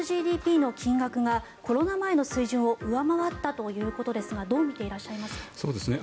ＧＤＰの金額がコロナ前の水準を上回ったということですがどう見ていらっしゃいますか。